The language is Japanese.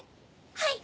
はい！